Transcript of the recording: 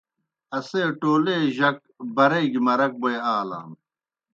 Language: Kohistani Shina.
اسے ٹولے جک برَئی گیْ مرک بوئے آلان۔